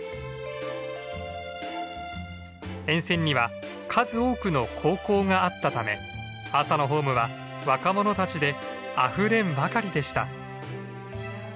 沿線には数多くの高校があったため朝のホームは若者たちであふれんばかりでした。